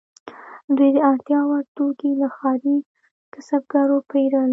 دوی د اړتیا وړ توکي له ښاري کسبګرو پیرل.